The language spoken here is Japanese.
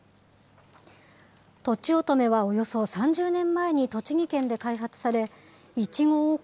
とちおとめはおよそ３０年前に栃木県で開発され、いちご王国